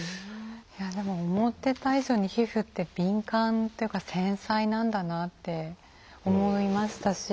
いやでも思ってた以上に皮膚って敏感というか繊細なんだなって思いましたし